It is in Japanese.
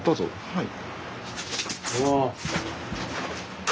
はい。